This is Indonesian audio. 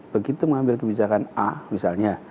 begitu mengambil kebijakan a misalnya